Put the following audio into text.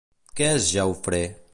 Què és el Jaufré?